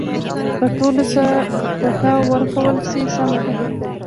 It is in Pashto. که ټولو ته کوټه ورکولای شي سمه ده.